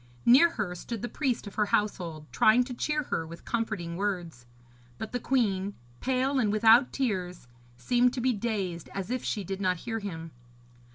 Near her stood the priest of her household, trying to cheer her with comforting words; but the queen, pale and without tears, seemed to be dazed and as if she did not hear him.